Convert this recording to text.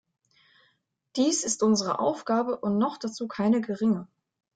Dies ist unsere Aufgabe und noch dazu keine geringe.